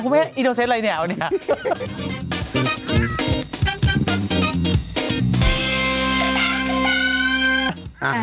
อ้าวคุณแม่อีโดเสชอะไรเนี่ยวันนี้ครับ